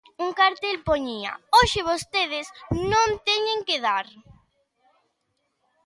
Un cartel poñía: "Hoxe vostedes non teñen que dar".